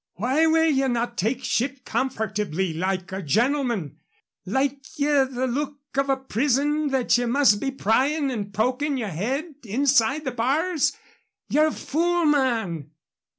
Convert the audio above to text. "Why will ye not take ship comfortably, like a gentleman? Like ye the look of a prison that ye must be prying and poking yer head inside the bars? Ye're a fool, man."